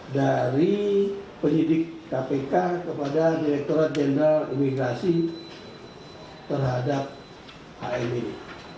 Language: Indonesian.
dari penyidik kpk kepada direkturat jenderal imigrasi terhadap hm ini